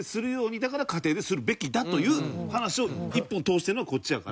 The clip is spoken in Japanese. だから家庭でするべきだという話を一本通してのこっちやから。